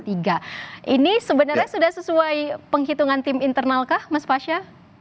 ini sebenarnya sudah sesuai penghitungan tim internal kah mas pasha